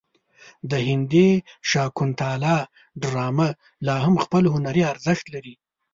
د هندي شاکونتالا ډرامه لا هم خپل هنري ارزښت لري.